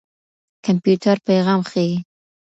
کمپيوټر پېغام ښيي.